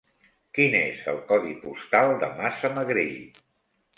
Quin és el codi postal de Massamagrell?